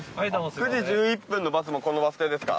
９時１１分のバスもこのバス停ですか？